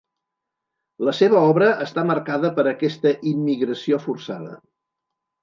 La seva obra està marcada per aquesta immigració forçada.